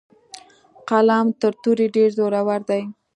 قلم تر تورې ډیر زورور دی.